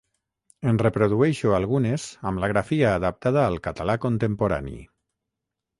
En reprodueixo algunes amb la grafia adaptada al català contemporani.